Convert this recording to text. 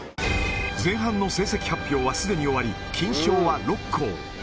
前半の成績発表はすでに終わり、金賞は６校。